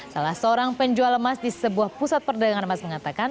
salah seorang penjual emas di sebuah pusat perdagangan emas mengatakan